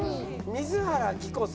水原希子さん。